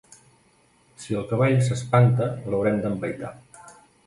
Si el cavall s'espanta l'haurem d'empaitar.